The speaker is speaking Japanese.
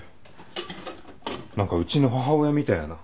何かうちの母親みたいやな。